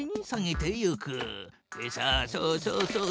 さあそうそうそう。